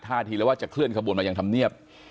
๕ทีแล้วจะเคลื่อนขบุนมาอย่างธรรมเนียบ